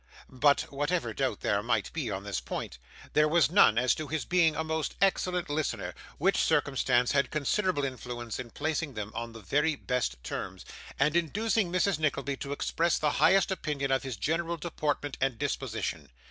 But whatever doubt there might be on this point, there was none as to his being a most excellent listener; which circumstance had considerable influence in placing them on the very best terms, and inducing Mrs Nickleby to express the highest opinion of his general deportment and disposition.